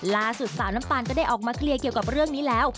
สาวน้ำตาลก็ได้ออกมาเคลียร์เกี่ยวกับเรื่องนี้แล้ว